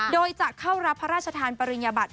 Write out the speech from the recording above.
โดยจะเข้ารับพระราชทานปริญญบัติ